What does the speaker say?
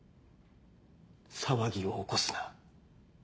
騒ぎを起こすな。